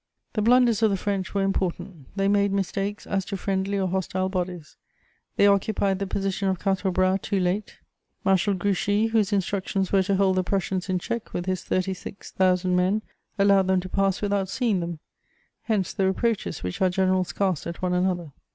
The blunders of the French were important: they made mistakes as to friendly or hostile bodies; they occupied the position of Quatre Bras too late; Marshal Grouchy, whose instructions were to hold the Prussians in check with his thirty six thousand men, allowed them to pass without seeing them: hence the reproaches which our generals cast at one another.